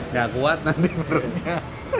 nggak kuat nanti perutnya